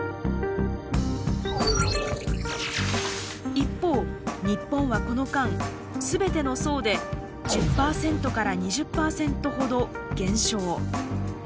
一方日本はこの間全ての層で１０％から２０％ほど減少。